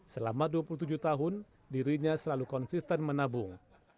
selama dua puluh tujuh tahun dirinya selalu konsisten menabung